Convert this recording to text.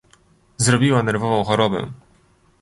"Zrobiła nerwową chorobę!..."